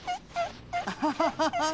アハハハハッ！